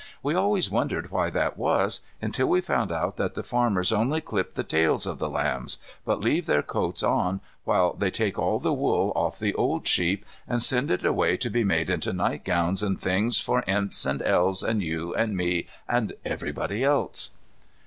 We always wondered why that was, until we found out that the farmers only clip the tails of the lambs, but leave their coats on, while they take all the wool off the old sheep, and send it away to be made into nightgowns and things for Imps and Elves and you and me and everybody else.